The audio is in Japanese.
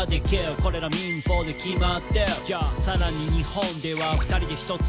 「これら民法で決まってる」「ＹＯさらに日本では２人で１つの戸籍に入って」